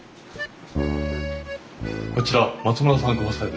こちら松村さんご夫妻です。